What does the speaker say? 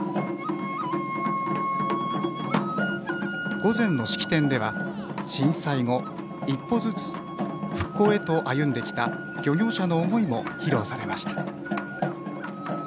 午前の式典では、震災後一歩ずつ復興へと歩んできた漁業者の思いも披露されました。